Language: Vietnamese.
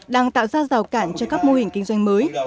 đang tạo ra rào cản cho các mô hình kinh doanh mới